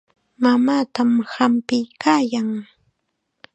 Mamaatam hampiykaayan.